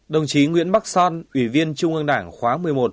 đồng chí nguyễn bắc son ủy viên trung ương đảng khóa một mươi một